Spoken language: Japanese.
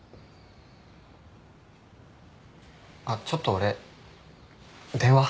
あっちょっと俺電話。